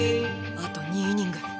あと２イニング。